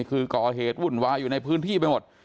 คือก่อเหตุวุ่นวายอยู่ในพื้นที่ไปหมด